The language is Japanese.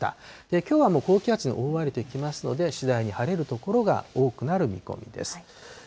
きょうは高気圧に覆われていきますので、次第に晴れる所が多くなる見込みです。